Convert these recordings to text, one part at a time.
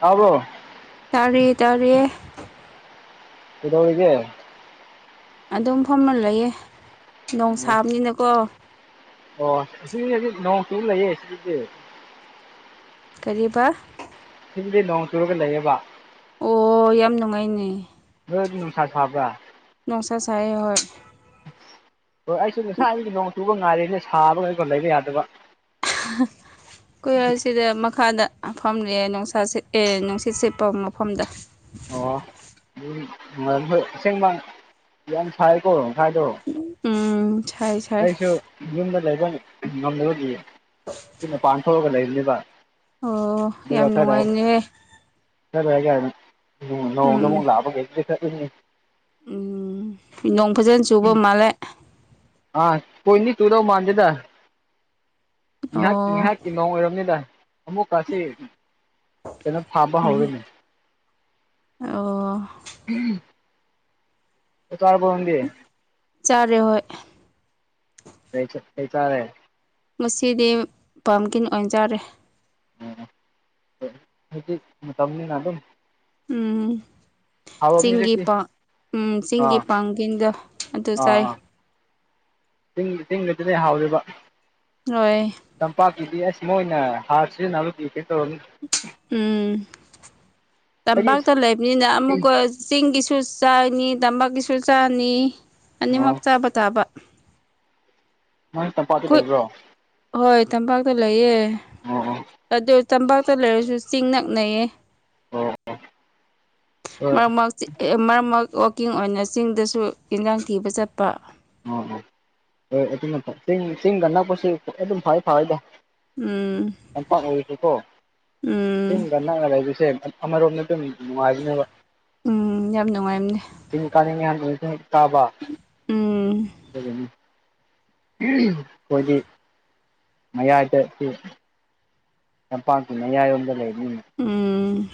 ꯇꯥꯕ꯭ꯔꯣ ꯇꯥꯔꯦ ꯇꯔꯌꯦ ꯀꯗꯧꯔꯤꯒꯦ ꯑꯗꯨꯝ ꯐꯝꯅ ꯂꯩꯌꯦꯦ ꯑꯣ ꯑꯣ ꯁꯤ ꯍꯥꯏ ꯅꯣ ꯁꯤꯂꯌꯦꯦ ꯁꯤꯗꯤ ꯀꯔꯤꯕ ꯤꯟꯗꯤ ꯅꯣꯡ ꯆꯨꯔꯒ ꯂꯩꯌꯦꯕ ꯑꯣ ꯌꯥꯝ ꯅꯨꯡꯉꯥꯏꯅꯦ ꯅꯨꯡꯁꯥ ꯁꯥꯕ ꯅꯅꯨꯡꯁꯥ ꯁꯥꯏ ꯍ ꯍꯣꯏ ꯑꯩꯁꯨ ꯉꯁꯥꯏ ꯑꯩꯒꯤ ꯅꯣꯡ ꯆꯨꯕ ꯉꯥꯏꯔꯦꯅꯦ ꯁꯥꯕ ꯀꯩꯀꯣ ꯂꯩꯕ ꯌꯥꯗꯕ ꯀꯨꯍꯔ ꯑꯁꯤꯗ ꯃꯈꯥꯗ ꯃꯐꯝꯅꯦ ꯅꯨꯡꯁꯥ ꯁꯤꯠ ꯑꯦ ꯅꯨꯡꯁꯤꯠ ꯁꯤꯦꯠꯄ ꯃꯐꯝꯗ ꯑꯣ ꯑꯗꯨꯝ ꯍꯣꯏ ꯑꯁꯦꯡꯕ ꯌꯥꯝ ꯁꯥꯏꯀꯣ ꯍꯥꯏꯗꯣ ꯎꯝ ꯁꯥꯏ ꯁꯥꯏ ꯑꯩꯁꯨ ꯌꯨꯝꯗ ꯂꯩꯕ ꯉꯝꯗꯕꯒꯤꯌꯦ ꯁꯤ ꯃꯄꯥꯟ ꯊꯣꯛꯑꯒ ꯂꯩꯔꯤ ꯑꯣ ꯌꯥꯝ ꯅꯨꯡꯉꯥꯏꯅꯦ ꯆꯠꯂꯦ ꯀꯥꯏꯅ ꯅꯣꯡꯗ ꯎꯝ ꯑꯃꯨꯛ ꯂꯥꯛꯕꯒꯩꯗꯤ ꯆꯠꯂꯣꯏꯅꯤ ꯎꯝ ꯅꯣꯡ ꯐꯖꯅ ꯆꯨꯕ ꯃꯥꯜꯂꯦ ꯄꯣꯏꯟꯗꯤ ꯇꯨꯗꯧ ꯃꯥꯟꯗꯦꯗ ꯉꯥꯏꯍꯥꯛꯀꯤ ꯑꯣ ꯉꯥꯏꯍꯥꯛꯀꯤ ꯃꯑꯣꯡ ꯑꯣꯏꯔꯕꯅꯤꯗ ꯑꯃꯨꯛꯀꯁꯤ ꯀꯩꯅꯣ ꯊꯥꯕ ꯎꯝ ꯍꯧꯔꯅꯤ ꯑꯣ ꯇꯣ ꯀꯝꯗꯤ ꯆꯥꯔꯦ ꯍꯣꯏ ꯍꯩ ꯆ ꯍ ꯆꯥꯔꯦ ꯉꯁꯤꯗꯤ ꯄꯝꯀꯤꯟ ꯑꯣꯟꯖꯔꯦ ꯎ ꯍꯧꯖꯤ ꯃꯇꯝꯝꯅꯤꯅ ꯑꯗꯨꯝ ꯎꯝ ꯍꯥꯎꯔꯕꯅꯤ ꯆꯤꯡꯒꯤ ꯍꯧꯖꯤꯛꯇꯤ ꯄ ꯎꯝ ꯆꯤꯡꯒꯤ ꯑꯥ ꯄꯥꯡꯒꯤꯡꯗ ꯑꯗꯨ ꯆꯥꯏ ꯤꯡ ꯇꯤꯡꯒꯗꯨꯅꯦ ꯍꯥꯎꯋꯦꯕ ꯍꯣꯏ ꯇꯝꯄꯥꯛꯀꯤꯗꯤ ꯑꯁ ꯃꯣꯏꯅ ꯍꯥꯔ ꯁꯤ ꯅꯨꯦ ꯎꯝ ꯑꯩꯗꯤ ꯇꯝꯄꯥꯛꯇ ꯂꯩꯕꯅꯤꯅ ꯑꯃꯨꯛꯀ ꯆꯤꯡꯒꯤꯁꯨ ꯆꯥꯏꯅꯤ ꯇꯝꯄꯥꯛꯀꯤꯁꯨ ꯆꯥꯅꯤ ꯑꯣ ꯑꯅꯤꯃꯛ ꯆꯥꯕ ꯇꯥꯕ ꯃꯣꯏ ꯇꯝꯄꯥꯛꯇ ꯑꯩꯈꯣꯏ ꯂꯩꯕ꯭ꯔꯣ ꯍꯣꯏ ꯇꯝꯄꯥꯛꯇ ꯂꯩꯌꯦ ꯑꯣ ꯑꯣ ꯑꯗꯨ ꯇꯝꯄꯥꯛꯇ ꯂꯩꯔꯁꯨ ꯆꯤꯡ ꯅꯛꯅꯩꯌꯦ ꯑꯣ ꯍꯣꯏ ꯃꯔ ꯃꯁꯤ ꯃꯥꯔ ꯃꯥ ꯋꯥꯛꯀꯤꯡ ꯑꯣꯏꯅ ꯆꯤꯡꯗꯁꯨ ꯏꯟꯖꯥꯡ ꯊꯤꯕ ꯆꯠꯄ ꯑꯣ ꯑꯣ ꯍꯣꯏ ꯑꯗꯨ ꯆ ꯆꯤꯡꯒ ꯅꯛꯄꯁꯤ ꯑꯗꯨꯝ ꯐ ꯐꯋꯏꯗ ꯎꯝ ꯂꯝꯝꯄꯥꯛ ꯑꯣꯏꯔꯤꯁꯤꯀꯣ ꯎꯝ ꯆꯤꯡꯒ ꯅꯛꯅ ꯂꯩꯔꯤꯁꯦ ꯑꯃꯔꯣꯝꯗ ꯅꯨꯡꯉꯥꯏꯔꯤꯅꯦꯕ ꯎꯝ ꯌꯥꯝ ꯅꯨꯡꯉꯥꯏꯕꯅꯦ ꯀꯥ ꯇꯥꯕ ꯎꯝ ꯑꯩꯈꯣꯏꯗꯤ ꯃꯌꯥꯗ ꯁꯤ ꯂꯝꯄꯥꯛꯀꯤꯅꯌꯥꯏ ꯌꯣꯝꯗ ꯂꯩꯅꯤ ꯎꯝ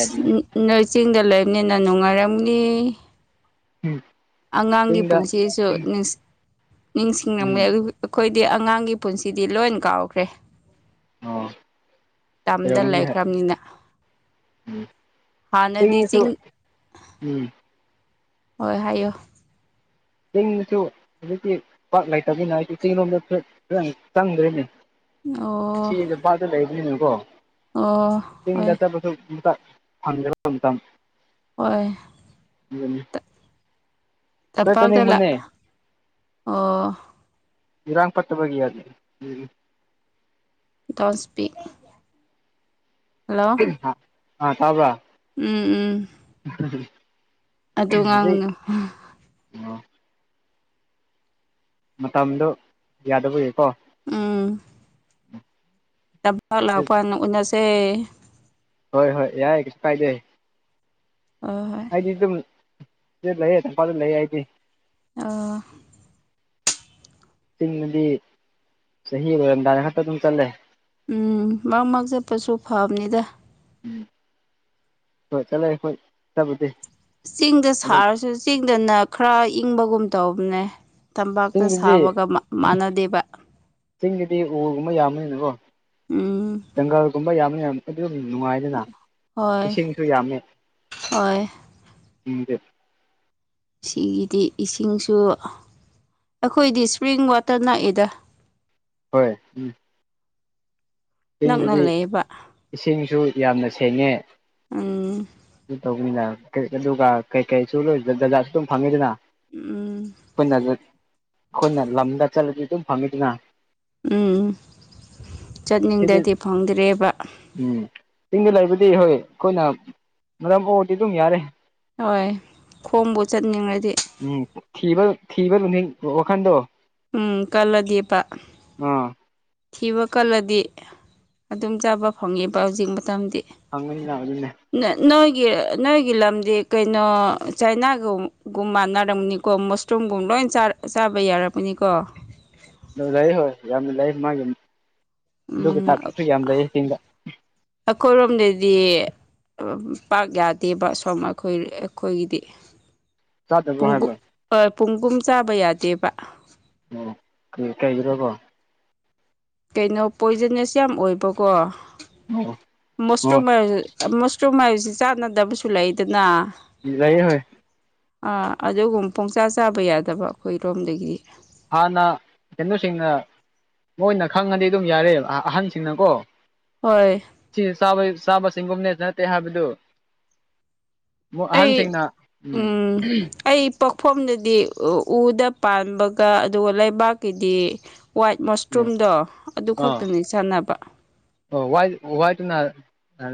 ꯌꯥꯗꯦꯅꯦ ꯅꯣꯏ ꯆꯤꯡꯗ ꯂꯩꯕꯅꯤꯅ ꯅꯨꯡꯉꯥꯏꯔꯝꯅꯤ ꯑꯉꯥꯡꯒꯤ ꯆꯤꯡꯗ ꯄꯨꯟꯁꯤꯁꯨ ꯅꯤꯡꯁꯤꯡꯂꯝꯝꯃꯦꯦ ꯎꯝ ꯑꯩꯈꯣꯏꯗꯤ ꯑꯉꯥꯡꯒꯤ ꯄꯨꯟꯁꯤꯗꯤ ꯂꯣꯏ ꯀꯥꯎꯈ꯭ꯔꯦ ꯑꯣ ꯇꯝꯗ ꯂꯩꯈ꯭ꯔꯕꯅꯤꯅ ꯍꯥꯟꯅꯗꯤ ꯎꯝꯁꯨ ꯆꯤꯡ ꯎꯝ ꯍꯣꯏ ꯍꯥꯏꯌꯣ ꯆꯤꯡꯁꯨ ꯍꯧꯖꯤꯛꯇꯤ ꯄꯥꯛ ꯂꯩꯇꯕꯅꯤꯅ ꯍꯥꯏꯗꯤ ꯆꯤꯡ ꯂꯣꯝꯗ ꯈꯤꯪ ꯆꯪꯗ꯭ꯔꯤꯅꯦ ꯑꯣ ꯁꯤ ꯅꯨꯄꯥꯇ ꯂꯩꯕꯅꯤꯅꯦꯀꯣ ꯑꯣ ꯇꯤꯡꯗ ꯍꯣꯏ ꯆꯠꯄꯁꯨ ꯍꯗꯔ ꯄꯨꯇ ꯍꯣꯏ ꯎꯝ ꯇꯝꯄꯥꯛꯗ ꯂꯥꯛ ꯑꯣ ꯏꯔꯥꯡꯄꯠꯇꯕꯒꯤ ꯌꯥꯗꯦ ꯎꯝ ꯇꯁꯄꯤꯛ ꯑ ꯇꯥꯕ꯭ꯔꯥ ꯑꯣ ꯍꯧꯖꯤꯛ ꯉꯥꯡꯅꯨ ꯃꯇꯝꯗꯣ ꯌꯥꯗꯕ ꯌꯥꯀꯣ ꯑꯝ ꯇꯕꯥ ꯂꯥꯛꯄ ꯎꯟꯅꯁꯦ ꯍꯣꯏ ꯍꯣꯏ ꯌꯥꯏ ꯀꯁꯨ ꯀꯥꯏꯗꯦꯏ ꯍꯣꯏ ꯍꯣꯏ ꯑꯗꯤ ꯑꯗꯨ ꯂ ꯐꯔ ꯂ ꯍꯥꯏꯗꯤ ꯑꯣ ꯅꯗꯤ ꯁꯕꯗꯥꯔ ꯈꯠꯇ ꯑꯗꯨ ꯆꯜꯂꯦ ꯎꯝ ꯃꯪ ꯃꯛ ꯆꯠꯄꯁꯨ ꯐꯕꯅꯤꯗ ꯎꯝ ꯍꯣꯏ ꯆꯠꯂꯦ ꯍꯈꯣꯏ ꯆꯠꯕꯗꯤ ꯆꯤꯡꯗ ꯁꯥꯔꯁꯨ ꯆꯤꯡꯗꯅ ꯈꯔ ꯏꯪꯕꯒꯨꯝ ꯇꯧꯕꯅꯦ ꯇꯝꯄꯥꯛꯇ ꯆꯤꯡꯗꯗꯤ ꯁꯥꯕꯒ ꯃꯥꯟꯅꯗꯦꯕ ꯆꯤꯡꯒꯤꯗꯤ ꯎꯒꯨꯝꯕ ꯌꯥꯝꯕꯅꯤꯅꯦꯀꯣ ꯎꯝ ꯪꯒꯜꯒꯨꯝꯕ ꯌꯥꯝꯕ ꯑꯗꯨ ꯅꯨꯡꯉꯥꯏꯗꯅ ꯍꯣꯏ ꯏꯁꯤꯡꯁꯨ ꯌꯥꯝꯃꯦ ꯍꯣꯏ ꯎꯝꯗꯦ ꯁꯤꯒꯤꯗꯤ ꯏꯁꯤꯡꯁꯨ ꯑꯩꯈꯣꯏꯗꯤ ꯏꯁꯄ꯭ꯔꯤꯡ ꯋꯥꯇꯔ ꯅꯥꯛꯏꯗ ꯍꯣꯏ ꯎꯝ ꯅꯛꯅ ꯆꯤꯡꯗꯗꯤ ꯂꯩꯌꯦꯕ ꯏꯁꯤꯡꯁꯨ ꯌꯥꯝꯅ ꯁꯦꯡꯉꯦ ꯎꯝ ꯇꯧꯅꯤꯗ ꯑꯗꯨꯒ ꯀꯩꯀꯔꯤꯁꯨꯣꯏ ꯗꯖꯥꯠꯁꯨ ꯑꯗꯨꯝ ꯐꯪꯉꯤꯗꯅ ꯎꯝ ꯑꯩꯈꯣꯏꯅ ꯑꯩꯈꯣꯏꯅ ꯂꯝꯗ ꯆꯠꯂꯗꯤ ꯑꯗꯨꯝ ꯐꯪꯉꯤꯗꯨꯅ ꯎꯝ ꯁꯤꯗꯤ ꯆꯠꯅꯤꯡꯗꯗꯤ ꯐꯪꯗ꯭ꯔꯦꯕ ꯎꯝ ꯆꯤꯡꯗ ꯂꯩꯕꯗꯤ ꯍꯣꯏ ꯑꯩꯈꯣꯏꯅ ꯃꯔꯝ ꯑꯣꯏꯔꯗꯤ ꯑꯗꯨꯝ ꯌꯥꯔꯦ ꯍꯣꯏ ꯈꯣꯕꯨ ꯆꯠꯅꯤꯡꯉꯥꯏ ꯎꯝ ꯊꯤꯕ ꯊꯤꯕ ꯂ ꯋꯥꯈꯟꯗꯣ ꯎꯝ ꯀꯂꯗꯤꯄꯥ ꯑꯥ ꯊꯤꯕ ꯀꯜꯂꯗꯤ ꯑꯗꯨꯝ ꯆꯥꯕ ꯐꯪꯉꯦꯕ ꯍꯧꯖꯤꯛ ꯃꯇꯝꯗꯤ ꯍꯪꯅ ꯅꯣꯏ ꯅ ꯅꯣꯏꯒꯤ ꯂꯝꯗꯤ ꯀꯩꯅꯣ ꯆꯥꯏꯅꯥꯒꯨꯝꯒꯨꯝ ꯃꯥꯟꯅꯔꯝꯅꯤꯀꯣ ꯃꯣꯁꯇꯣꯝꯒꯨꯝꯕꯗꯣ ꯂꯣꯏ ꯆꯥꯕ ꯌꯥꯛꯄꯅꯤꯀꯣ ꯑꯗꯨ ꯂꯩ ꯍꯣꯏ ꯌꯥꯝꯅ ꯂꯩ ꯃꯥꯒꯤ ꯑꯗꯨꯒ ꯎꯝ ꯇꯥꯛꯇꯁꯨ ꯌꯥꯝ ꯂꯩ ꯆ ꯆꯤꯡꯗ ꯑꯩꯈꯣꯏꯔꯣꯝꯗꯗꯤ ꯄꯥꯛ ꯌꯥꯗꯦꯕ ꯁꯨꯝ ꯑꯩꯈꯣꯏ ꯑꯩꯈꯣꯏꯒꯤꯗꯤ ꯆꯥꯗꯕ꯭ꯔꯣ ꯄꯨꯡ ꯍꯥꯏꯕ ꯑ ꯄꯨꯡꯒꯨꯝ ꯆꯥꯕ ꯌꯥꯗꯦꯕ ꯑꯣ ꯀꯩ ꯀꯩꯒꯤꯅ‌ꯣ ꯕ꯭ꯔ‌ꯣ ꯀꯩꯅꯣ ꯄꯣꯏꯖꯟꯅꯁ ꯌꯥꯝ ꯑꯣꯏꯕꯀꯣ ꯃ‌ꯣꯁꯇ꯭ꯔ‌ꯣ ꯑꯣ ꯃꯥꯏꯖ ꯃ‌ꯣꯏꯁ ꯆꯨꯝ ꯍꯥꯏꯕꯁꯤ ꯆꯥꯟꯅꯗꯕꯁꯨ ꯂꯩꯗꯅ ꯂꯩꯌ‌ꯦ ꯍ‌ꯣꯏ ꯑꯥ ꯑꯗꯨꯒꯨꯝ ꯄꯨꯡꯆꯥꯥ ꯆꯥꯕ ꯌꯥꯗꯕ ꯑꯩꯈꯣꯏꯔꯣꯝꯗꯒꯤꯗꯤ ꯍꯥꯥꯟꯅ ꯀꯩꯅ‌ꯣꯁꯤꯡꯅ ꯃꯣꯏꯅ ꯈꯪꯉꯗꯤ ꯑꯗꯨꯝ ꯌꯥꯔ ꯑꯍꯟꯁꯤꯡꯅꯀꯣ ꯍꯣꯏ ꯁꯤ ꯆꯥꯕ ꯁꯤꯒꯨꯝꯅꯦ ꯅꯠꯇ‌ꯦ ꯍꯥꯥꯕꯗꯨ ꯑꯩ ꯎꯝ ꯑꯩ ꯄꯣꯛꯐꯝꯗꯗꯤ ꯎꯗ ꯄꯥꯟꯕꯒ ꯑꯗꯨꯒ ꯂꯩꯕꯥꯛꯀꯤꯗꯤ ꯋꯥꯏꯠ ꯎꯝ ꯃꯁꯔꯨꯝꯗꯣ ꯑꯗꯨ ꯑꯥ ꯈꯛꯇꯅꯤ ꯆꯥꯟꯅꯕ ꯑꯣ ꯋꯥꯏ ꯋꯥꯏꯠꯅ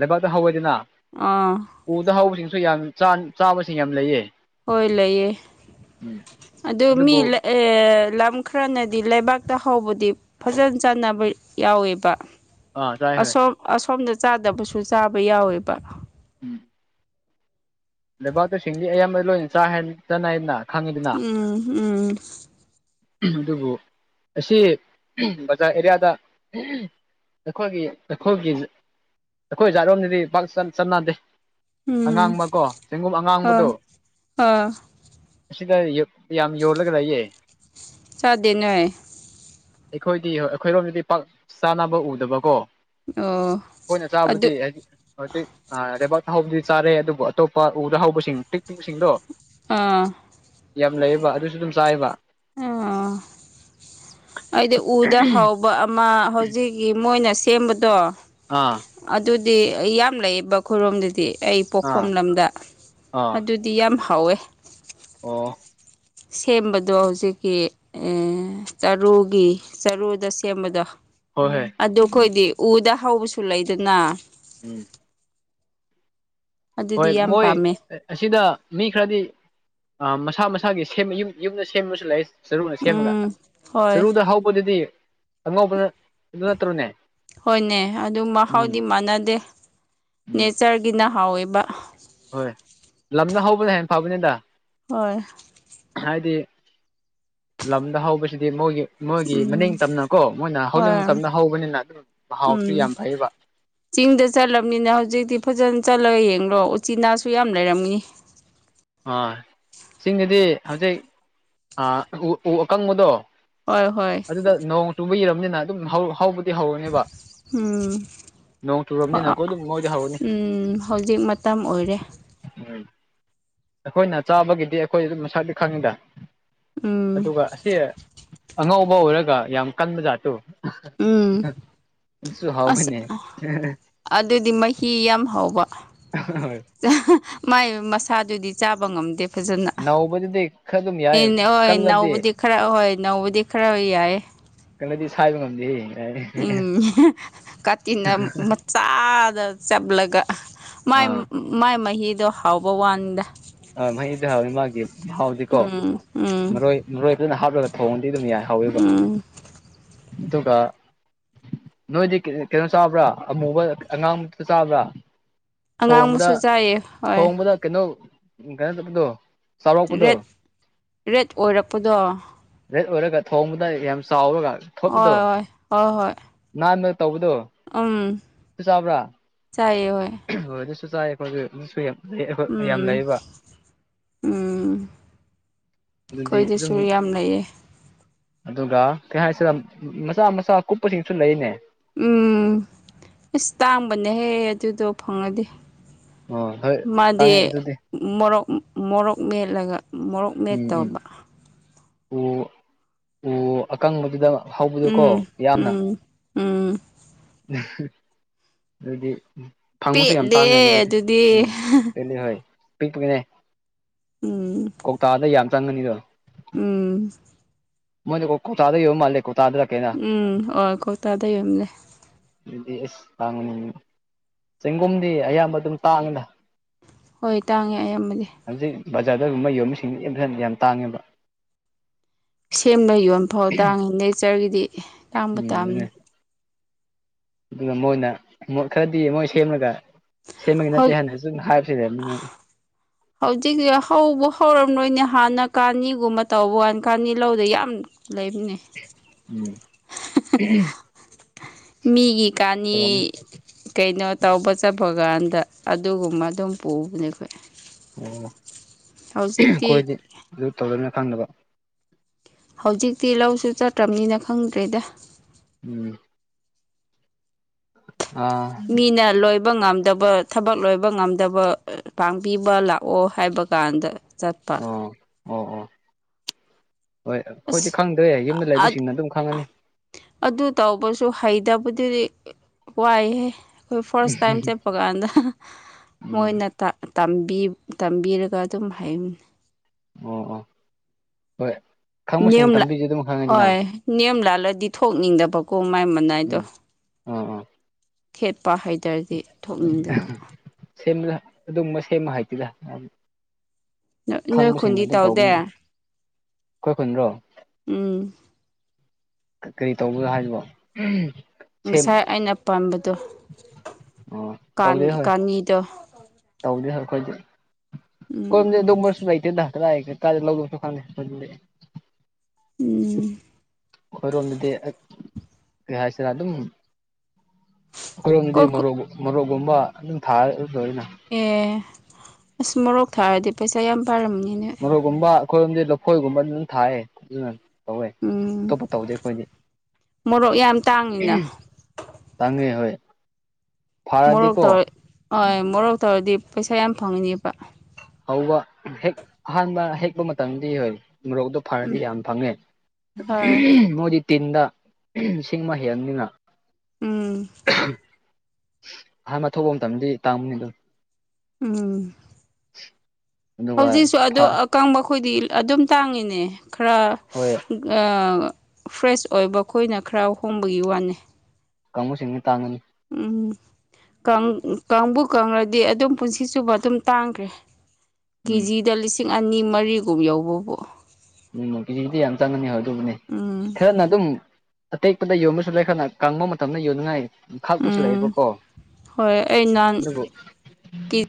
ꯂꯩꯕꯥꯛꯇ ꯍꯧꯋꯦꯗꯅ ꯑꯥ ꯎꯗ ꯍꯧꯕꯁꯤꯡꯁꯨ ꯌꯥꯝ ꯆꯥꯕ ꯆꯥꯕꯁꯤꯡ ꯌꯥꯝ ꯂꯩꯌꯦ ꯍꯣꯏ ꯂꯩꯌ‌ꯦ ꯎꯝ ꯑꯗꯨ ꯃꯤ ꯑꯗꯨꯕꯨ ꯂꯝ ꯈꯔꯅꯗꯤ ꯂꯩꯕꯥꯛꯇ ꯍꯧꯕꯗꯤ ꯐꯖꯅ ꯆꯥꯟꯅꯕ ꯌꯥꯎꯋꯦꯕ ꯑꯥ ꯆꯥꯏ ꯍꯣꯏ ꯑꯁꯣꯝ ꯑꯁꯣꯝꯗ ꯆꯥꯗꯕꯁꯨ ꯆꯥꯕ ꯌꯥꯎꯋꯦꯕ ꯎꯝ ꯂꯩꯕꯥꯛꯇ ꯁꯤꯡꯗꯤ ꯑꯌꯥꯝꯕ ꯂꯣꯏ ꯆꯥ ꯍꯦꯟ ꯆꯅꯥꯏꯅ ꯎꯝ ꯎꯝ ꯑꯗꯨꯕꯨ ꯑꯁꯤ ꯕꯖꯥꯔ ꯑꯦꯔꯤꯌꯥꯗ ꯑꯩꯈꯣꯏꯒꯤ ꯑꯩꯈꯣꯏꯒꯤ ꯑꯩꯈꯣꯏ ꯖꯥꯠꯔꯣꯝꯗꯗꯤ ꯄꯥꯛ ꯆꯠꯅꯥꯟꯗꯦ ꯎꯝ ꯑꯉꯥꯡꯕꯀꯣ ꯆꯦꯡꯒꯨꯝ ꯑꯉꯥꯡꯕꯗꯣ ꯑꯥ ꯑꯥ ꯑꯁꯤꯗ ꯌꯥꯝ ꯌꯣꯜꯂꯒ ꯂꯩꯌꯦ ꯆꯥꯗ‌ꯦꯅ‌ꯦ ꯑꯩꯈꯣꯏꯗꯤ ꯑꯩꯈꯣꯏꯔꯣꯝꯗꯗꯤ ꯄꯥꯛ ꯆꯥꯅꯕ ꯎꯗꯕꯀꯣ ꯑꯣ ꯑꯩꯈꯣꯏꯅ ꯑꯗꯨ ꯆꯥꯕꯨꯗꯤ ꯍꯥꯏꯗꯤ ꯍꯧꯖꯤꯛ ꯂꯩꯕꯥꯛ ꯍꯥꯎꯕꯗꯤ ꯆꯥꯔꯦ ꯑꯗꯨꯕꯨ ꯑꯇꯣꯞꯄ ꯄꯥ ꯎꯗ ꯍꯧꯕꯁꯤꯡ ꯄꯤꯛ ꯄꯤꯕꯁꯤꯡꯗꯣ ꯑꯥ ꯌꯥꯝ ꯂꯩꯌꯦꯕ ꯑꯗꯨꯁꯨ ꯑꯗꯨꯝ ꯆꯥꯏꯌ‌ꯦꯕ ꯑꯡ‌ ꯑꯩꯗꯤ ꯎꯗ ꯍꯥꯎꯕ ꯑꯃ ꯍꯧꯖꯤꯛꯀꯤ ꯃꯣꯏꯅ ꯁꯦꯝꯕꯗꯣ ꯑꯥ ꯑꯗꯨꯗꯤ ꯌꯥꯝ ꯂꯩꯌꯦꯕ ꯈꯨꯔꯣꯝꯗꯨꯗꯤ ꯑꯩ ꯄꯣꯛꯐꯝ ꯑꯥ ꯂꯝꯗ ꯑꯥ ꯑꯗꯨꯗꯤ ꯌꯥꯝ ꯍꯥꯎꯋꯦ ꯑꯣ ꯁꯦꯝꯕꯗꯣ ꯍꯧꯖꯤꯛꯀꯤ ꯑ ꯆꯔꯨꯒꯤ ꯆꯔꯨꯗ ꯁꯦꯝꯕꯗꯣ ꯍꯣꯏ ꯍꯣꯏ ꯑꯗꯨ ꯑꯩꯈꯣꯏꯗꯤ ꯎꯗ ꯍꯧꯕꯁꯨ ꯂꯩꯗꯅ ꯎꯝ ꯍꯣꯏ ꯑꯗꯨꯗꯤ ꯌꯥꯝ ꯃꯣꯏ ꯄꯥꯝꯃꯦ ꯑꯁꯤꯗ ꯃꯤ ꯈꯔꯗꯤ ꯑ ꯃꯁꯥ ꯃꯁꯥ ꯏꯁꯥꯒꯤ ꯁꯦꯝ ꯌꯨꯝꯗ ꯁꯦꯝꯕꯁꯨ ꯂꯩ ꯆꯔꯨꯅ ꯁꯦꯝꯃꯒ ꯎꯝ ꯍꯣꯏ ꯆꯔꯨꯗ ꯍꯧꯕꯗꯨꯗꯤ ꯑꯉꯧꯕ ꯅ ꯑꯗꯨ ꯅꯠꯇ꯭ꯔ‌ꯣꯅ‌ꯦ ꯍꯣꯏꯅꯦ ꯑꯗꯨ ꯃꯍꯥꯎꯗꯤ ꯃꯥꯟꯅꯗꯦ ꯎꯝ ꯅꯦꯆꯔꯒꯤꯅ ꯍꯥꯎꯋꯦꯕ ꯍꯣꯏ ꯂꯝꯅ ꯍꯧꯕꯅ ꯍꯦꯟꯅ ꯐꯕꯅꯤꯗ ꯍꯣꯏ ꯍꯥꯏꯗꯤ ꯂꯝꯗ ꯍꯧꯕꯁꯤꯗꯤ ꯃꯣꯏꯒꯤ ꯃꯣꯏꯒꯤ ꯃꯅꯤꯡ ꯎꯝ ꯇꯝꯅꯀꯣ ꯃꯣꯏꯅ ꯍꯧꯅꯤꯡꯕ ꯍꯣꯏ ꯃꯇꯝꯗ ꯍꯧꯕꯅꯤꯅ ꯑꯗꯨꯝ ꯃꯍꯥꯎꯁꯨ ꯎꯝ ꯌꯥꯝ ꯐꯩꯕ ꯆꯤꯡꯗ ꯆꯠꯂꯝꯅꯤꯅ ꯍꯧꯖꯤꯛꯇꯤ ꯐꯖꯅ ꯆꯠꯂ ꯌꯦꯡ ꯅꯪꯂꯣ ꯎꯆꯤꯅꯥꯁꯨ ꯌꯥꯝ ꯂꯩꯔꯝꯃꯤ ꯑꯥ ꯆꯤꯡꯗꯗꯤ ꯍꯧꯖꯤꯛ ꯑ ꯎ ꯎ ꯑꯀꯪꯕꯗꯣ ꯍꯣꯏ ꯍꯣꯏ ꯑꯗꯨꯗ ꯅꯣꯡ ꯆꯨꯕ ꯑꯣꯏꯔꯝꯅꯤꯅ ꯑꯗꯨꯝ ꯍꯧꯕꯗꯤ ꯍꯧꯔꯅꯦꯕ ꯅꯣꯡ ꯆꯨꯔꯕꯅꯤꯅꯀꯣ ꯑꯗꯨꯝ ꯃꯣꯏꯗꯤ ꯍꯧꯔꯅꯤ ꯎꯝ ꯍꯧꯖꯤꯛ ꯃꯇꯝ ꯑꯣꯏꯔꯦ ꯍ ꯑꯩꯈꯣꯏꯅ ꯆꯥꯕꯒꯤꯗꯤ ꯑꯩꯈꯣꯏ ꯑꯗꯨꯝ ꯃꯁꯥꯗꯤ ꯈꯪꯉꯤꯗ ꯎꯝ ꯑꯗꯨꯒ ꯑꯁꯤ ꯑꯉꯧꯕ ꯑꯣꯏꯔꯒ ꯌꯥꯝ ꯀꯟꯕ ꯖꯥꯠꯇꯨ ꯎꯝ ꯑꯁ ꯑꯗꯨꯗꯤ ꯃꯍꯤ ꯌꯥꯝ ꯍꯥꯎꯕ ꯃꯥꯏ ꯃꯁꯥꯗꯨꯗꯤ ꯆꯥꯕ ꯉꯝꯗꯦ ꯐꯖꯅ ꯅꯧꯕꯗꯨꯗꯤ ꯈꯔ ꯑꯗꯨꯝ ꯌꯥꯏ ꯏꯅꯦ ꯍꯣꯏ ꯀꯜꯂꯗꯤ ꯏꯅꯧꯕꯗꯤ ꯈꯔ ꯍꯣꯏ ꯏꯅꯧꯕꯗꯤ ꯈꯔ ꯌꯥꯏ ꯀꯩꯅꯣꯗꯤ ꯁꯥꯕ ꯉꯗꯤ ꯎꯝ ꯀꯥꯆꯤꯅ ꯃꯆꯥꯗ ꯆꯞꯂꯒ ꯥꯏ ꯑꯥ ꯃꯥꯏ ꯃꯍꯤꯗꯣ ꯍꯥꯎꯕ ꯋꯥꯟꯗ ꯍꯥꯎꯗꯤꯀꯣ ꯎꯝ ꯎꯝ ꯃꯔꯣꯏ ꯃꯔꯣꯏ ꯐꯅ ꯍꯥꯞꯂꯒ ꯊꯣꯡꯗꯤ ꯑꯗꯨꯝ ꯌꯥꯏ ꯍꯥꯎꯋꯦꯕ ꯎꯝ ꯏ ꯇ ꯀ ꯅꯣꯏꯗꯤ ꯀꯩꯅꯣ ꯆꯥꯕ꯭ꯔꯥ ꯑꯃꯨꯕ ꯑꯉꯥꯡꯇ ꯆꯥꯕ꯭ꯔꯥ ꯊꯣꯡꯕꯗ ꯑꯉꯥꯡꯕꯁꯨ ꯆꯥꯏꯌꯦ ꯍꯣꯏ ꯊꯣꯡꯕꯗ ꯀꯩꯅꯣ ꯀꯩꯅꯣ ꯆꯧꯕꯗꯣ ꯔꯦꯠ ꯔꯦꯠ ꯑꯣꯏꯔꯛꯄꯗꯣ ꯔꯦꯠ ꯑꯣꯏꯔꯒ ꯊꯣꯡꯕꯗ ꯌꯥꯝ ꯆꯥꯎꯔꯒ ꯊꯣꯛꯄꯤꯗꯣ ꯍꯣꯏ ꯍꯣꯏ ꯍꯣꯏ ꯍꯣꯏ ꯅꯍꯥꯟ ꯇꯧꯕꯗꯣ ꯎꯝ ꯆꯥꯕ꯭ꯔꯥ ꯆꯥꯏꯌꯦ ꯍꯣꯏ ꯍ ꯆꯥꯏ ꯑꯩꯈꯣꯏꯁꯨ ꯑꯗꯨꯁꯨ ꯌꯥꯝ ꯌꯥꯝ ꯎꯝ ꯂꯩꯌꯦꯕ ꯑꯗꯨꯗꯤ ꯑꯩꯈ‌ꯣꯏꯗꯁꯨ ꯑꯗꯨꯝ ꯌꯥꯝ ꯂꯩꯌꯦ ꯑꯗꯨꯒ ꯀꯩ ꯍꯥꯏꯁꯤꯔ ꯃꯆꯥ ꯃꯆꯥ ꯀꯨꯞꯄꯁꯤꯡꯁꯨ ꯂꯩꯅꯦ ꯎꯝ ꯑꯁ ꯇꯥꯡꯕꯅꯦꯍꯦ ꯑꯗꯨꯗꯣ ꯐꯪꯉꯗꯤ ꯑꯣ ꯍꯣꯏ ꯃꯥꯗꯤ ꯇꯥꯡꯉꯦ ꯑꯗꯨꯗꯤ ꯃꯣꯔꯣꯛ ꯃꯣꯔꯣꯛ ꯃꯦꯠꯂꯒ ꯃꯣꯔꯣꯛ ꯃꯦꯠ ꯎꯝ ꯎꯝ ꯇꯧꯕ ꯎ ꯎ ꯑꯀꯪꯕꯗꯨꯗ ꯍꯧꯕꯗꯣꯀꯣ ꯎꯝ ꯌꯥꯝꯅ ꯎꯝ ꯎꯝ ꯑꯗꯨꯗꯤ ꯎ ꯐꯪꯉꯨꯁꯨ ꯌꯥꯝ ꯇꯥꯡꯉꯦ ꯑꯗꯨꯗꯤ ꯎꯝ ꯍꯣꯏ ꯄꯤꯛꯄꯅꯦ ꯎꯝ ꯀꯧꯇꯥꯗ ꯌꯥꯝ ꯆꯪꯒꯅꯤꯗꯣ ꯎꯝ ꯃꯣꯏꯣ ꯀꯣ ꯊꯥꯗ ꯌꯣ ꯃꯥꯜꯦ ꯀ ꯎꯝ ꯍ ꯀꯧꯇꯥꯗ ꯌꯂꯦ ꯑꯦꯁ ꯇꯥꯡꯉꯅꯤ ꯆꯦꯡꯒꯣꯝꯗꯤ ꯑꯌꯥꯝꯕ ꯑꯗꯨꯝ ꯇꯥꯡꯉꯗ ꯍꯣꯏ ꯇꯥꯡꯉꯦ ꯑꯌꯥꯝꯕꯗꯤ ꯍꯧꯖꯤꯛ ꯕꯖꯥꯔꯗꯒꯨꯝꯕ ꯌꯣꯝꯕꯤꯁꯤꯡ ꯌꯥꯝꯊꯟ ꯌꯥꯝ ꯇꯥꯡꯉꯦꯕ ꯁꯦꯝꯕ ꯌꯣꯟꯕ ꯐꯥꯎ ꯇꯥꯡꯉꯤ ꯅꯦꯆꯔꯒꯤꯗꯤ ꯇꯥꯡꯕ ꯇꯥꯕꯅꯤ ꯑꯗꯨꯅ ꯃꯣꯏꯅ ꯈꯔꯗꯤ ꯃꯣꯏ ꯁꯦꯝꯃꯒ ꯁꯦꯝꯃꯒꯤ ꯅꯠꯇꯦ ꯍꯧ ꯍꯥꯏꯅꯁꯨ ꯍꯥꯏꯕ ꯁꯤꯔ ꯍꯧꯖꯤꯛꯇꯁ ꯍꯧꯕ ꯍꯧꯔꯝꯗꯣꯏꯅꯦ ꯍꯥꯟꯅ ꯀꯥꯅꯤꯒꯨꯝꯕ ꯇꯧꯕ ꯀꯅ ꯀꯥꯅꯤ ꯂꯧꯗ ꯌꯥꯝ ꯂꯩꯃꯤꯅꯦ ꯎꯝ ꯃꯤꯒꯤ ꯀꯥꯅꯤ ꯇꯧꯔꯝꯅꯤ ꯀꯩꯅꯣ ꯇꯧꯕ ꯆꯠꯄ ꯀꯥꯟꯗ ꯗ ꯑꯗꯨꯒꯨꯝꯕ ꯑꯗꯨꯝ ꯄꯨꯕꯅꯦ ꯑꯩꯈꯣꯏ ꯑꯣ ꯍꯧꯖꯤꯛꯇꯤ ꯑꯩꯈꯣꯏꯗꯤ ꯑꯗꯨ ꯇꯧꯗꯕꯅ ꯐꯪꯗꯅꯕ ꯍꯧꯖꯤꯛꯇꯤ ꯂꯧꯁꯨ ꯆꯠꯇ꯭ꯔꯕꯅꯤꯅ ꯈꯪꯗ꯭ꯔꯦꯗ ꯎꯝ ꯑꯥ ꯃꯤꯅ ꯂꯣꯏꯕ ꯉꯝꯗꯦ ꯗꯕ ꯊꯕꯛ ꯂꯣꯏꯕ ꯉꯝꯗꯕ ꯄꯥꯡꯕꯤꯕ ꯂꯥꯛꯑꯣ ꯍꯥꯏꯕ ꯀꯥꯟꯗ ꯆꯠꯄ ꯑꯣ ꯑꯣ ꯑꯣ ꯍꯣꯏ ꯑꯁ ꯑꯩꯈꯣꯏꯗꯤ ꯈꯪꯗ꯭ꯔꯦ ꯌꯨꯝꯗ ꯂꯩꯕꯁꯤꯡꯅ ꯑꯗꯨꯝ ꯈꯪꯉꯅꯤ ꯑꯗꯨ ꯇꯧꯕꯁꯨ ꯍꯥꯏꯗ ꯑꯗꯨꯗꯨꯗꯤ ꯋꯥꯏꯍꯦ ꯑꯩꯈꯣꯏ ꯐꯥꯔꯁ ꯇꯥꯏꯝ ꯆꯠꯄ ꯀꯥꯟꯗ ꯎꯝ ꯃꯣꯏꯅ ꯇꯝꯕꯤ ꯇꯝꯕꯤꯔꯒ ꯑꯗꯨꯝ ꯍꯥꯏꯅꯤ ꯑꯣ ꯑꯣ ꯍꯣꯏ ꯌ ꯈꯪꯕꯁꯤꯡꯅ ꯇꯝꯕꯤꯔꯗꯤ ꯑꯗꯨꯝ ꯈꯪꯉꯅꯤꯗꯅ ꯍꯣꯏ ꯅꯤꯌꯝ ꯂꯥꯜꯂꯗꯤ ꯊꯣꯛꯅꯤꯡꯗꯕ ꯀꯣ ꯃꯥꯏ ꯃꯅꯥꯏꯗꯣ ꯎ ꯑꯥ ꯄꯥ ꯍꯥꯏꯇꯥꯔꯗꯤ ꯊꯣꯛꯅꯤꯡꯗꯕ ꯁꯦꯝ ꯑꯗꯨꯒꯕ ꯁꯦꯝꯃ ꯍꯥꯏꯇꯗ ꯅꯣꯏ ꯈꯨꯟꯗꯤ ꯇꯧꯗꯦ ꯑꯩꯈꯣꯏ ꯈꯨꯟꯔꯣ ꯎꯝ ꯀꯔꯤ ꯇꯧꯕ ꯍꯥꯏꯔꯤꯕꯣ ꯉꯁꯥꯏ ꯑꯩꯅ ꯄꯥꯝꯕꯗꯣ ꯀꯥꯅꯤꯗꯣ ꯇꯧꯅꯦ ꯁꯔ ꯈꯣꯏ ꯀꯣꯏ ꯎꯝ ꯗꯝꯃꯔꯁꯨ ꯂꯩꯥꯏꯇꯦꯗ ꯇꯥꯖꯦ ꯂꯧꯗꯁꯨꯥꯟ ꯁ ꯎꯝ ꯑꯩꯣꯏꯔꯣꯝꯗꯨꯗꯤ ꯀꯩ ꯍꯥꯏꯁꯤꯔ ꯑꯗꯨꯝ ꯑꯩꯈꯣꯏꯔꯣꯝꯗꯤ ꯃꯣꯔꯣꯛ ꯃꯣꯔꯣꯛꯒꯨꯝꯕ ꯑꯗꯨꯝ ꯊꯥꯔ ꯂꯣꯏ ꯑꯦ ꯑꯁ ꯃꯣꯔꯣꯛ ꯊꯥꯔꯗꯤ ꯄꯩꯁꯥ ꯌꯥꯝ ꯄꯥꯔꯝꯅꯤꯅꯦ ꯃꯔꯣꯏꯒꯨꯝꯕ ꯑꯩꯈꯣꯏꯔꯣꯝꯗꯤ ꯂꯐꯣꯏꯒꯨꯝꯕ ꯑꯗꯨꯝ ꯊꯥꯏꯑ ꯑꯗꯨꯅ ꯇꯧꯋꯦ ꯎꯝ ꯑꯇꯣꯞꯄ ꯇꯧꯗꯦ ꯑꯩꯈꯣꯏꯗꯤ ꯃꯣꯔꯣꯛ ꯌꯥꯝ ꯇꯥꯡꯉꯤꯅ ꯇꯥꯡꯒꯦ ꯍ ꯃꯣꯔꯣꯛ ꯇꯧꯔ ꯍꯣꯏ ꯃꯣꯔꯣꯛ ꯇꯧꯔꯗꯤ ꯄꯩꯁꯥ ꯌꯥꯝ ꯐꯪꯉꯤꯅꯦꯕ ꯍꯧꯕ ꯍꯦꯛ ꯑꯍꯥꯟꯕ ꯍꯦꯛꯄ ꯃꯇꯝꯗꯤ ꯍꯣꯏ ꯃꯣꯔꯣꯛꯇꯣ ꯐꯔꯗꯤ ꯎꯝ ꯌꯥꯝ ꯐꯪꯉꯦ ꯍꯣꯏ ꯃꯣꯏꯗꯤ ꯇꯤꯟꯗ ꯂꯤꯁꯤꯡ ꯑꯃ ꯍꯦꯜꯅꯤꯅ ꯎꯝ ꯑꯍꯥꯟꯕꯥꯟꯕ ꯊꯧꯕ ꯃꯇꯝꯗꯤ ꯇꯥꯡꯃꯅꯤꯗ ꯎꯝ ꯑꯗꯨꯒ ꯍꯧꯖꯤꯛꯁꯨ ꯑꯗꯨ ꯐꯥ ꯑꯀꯪꯕꯣꯏꯗꯤ ꯑꯗꯨꯝ ꯇꯥꯡꯉꯤꯅꯦ ꯈꯔ ꯍꯣꯏ ꯐ꯭ꯔꯦꯁ ꯑꯣꯏꯕ ꯑꯩꯈꯣꯏꯅ ꯈꯔ ꯍꯣꯡꯕꯒꯤ ꯋꯥꯅꯤ ꯀꯥꯡꯕꯨꯁꯤꯡꯅ ꯇꯥꯡꯉꯅꯤ ꯎꯝ ꯀꯥꯡꯕꯨ ꯀꯪꯂꯗꯤ ꯑꯗꯨꯝ ꯄꯨꯟꯁꯤ ꯆꯨꯞꯕ ꯑꯗꯨꯝ ꯇꯥꯡꯈ꯭ꯔꯦ ꯎꯝ ꯀꯦꯖꯤꯗ ꯂꯤꯁꯤꯡ ꯑꯅꯤ ꯃꯔꯤꯒꯨꯝ ꯌꯧꯕꯕꯨ ꯀꯦꯖꯤꯗꯤ ꯌꯥꯝ ꯆꯪꯉꯅꯤ ꯍ ꯑꯗꯨꯕꯨꯅꯦ ꯎꯝ ꯈꯔꯅ ꯑꯗꯨꯝ ꯑꯇꯦꯛꯄꯗ ꯌꯣꯟꯕꯁꯨ ꯂꯩꯈꯠꯅ ꯀꯪꯕ ꯃꯇꯝꯗ ꯌꯣꯟꯅꯤꯡꯉꯥꯏ ꯎꯝ ꯈꯥꯛꯄꯁꯨꯜꯂꯏꯕꯀꯣ ꯍꯣꯏ ꯑꯩ ꯅꯍꯥꯟ ꯑꯗꯨꯕꯨ ꯀꯦꯖꯤ